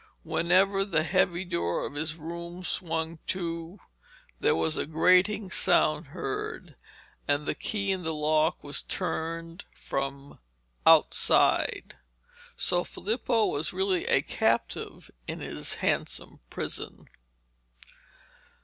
Whenever the heavy door of his room swung to, there was a grating sound heard, and the key in the lock was turned from outside. So Filippo was really a captive in his handsome prison.